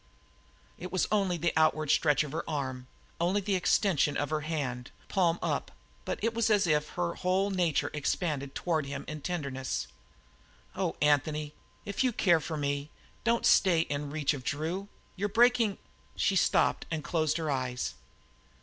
It was only the outward stretch of her arm, only the extension of her hand, palm up, but it was as if her whole nature expanded toward him in tenderness. "Oh, Anthony, if you care for me, don't stay in reach of Drew! You're breaking " She stopped and closed her eyes.